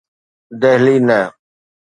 دهلي نه.